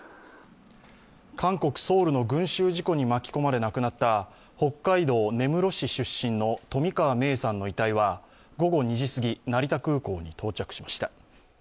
韓国・ソウルの群集事故に巻き込まれ亡くなった北海道根室市出身の冨川芽生さんの遺体は、午後２時すぎ、成田空港に到着しました。